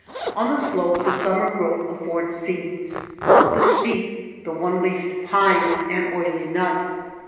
On the slope th6\ summer growth affords seeds ; up the steep ] the one leafed pines, an oily nut.